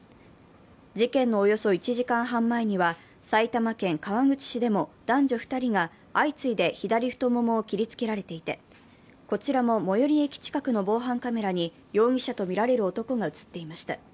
事件のおよそ１時間半前には埼玉県川口市でも男女２人が相次いで左太ももを切りつけられていて、こちらも最寄り駅近くの防犯カメラに容疑者とみられる男が映っていました。